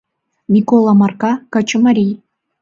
Микола Марка — качымарий.